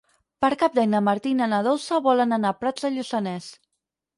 Per Cap d'Any na Martina i na Dolça volen anar a Prats de Lluçanès.